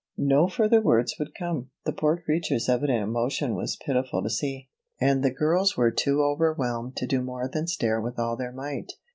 No further words would come. The poor creature's evident emotion was pitiful to see, and the girls were too overwhelmed to do more than stare with all their might.